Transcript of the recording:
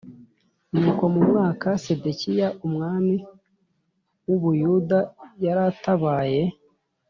Nuko mu mwaka Sedekiya umwami w u Buyuda yaratabaye